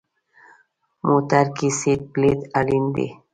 موټر کې سیټ بیلټ اړین دی.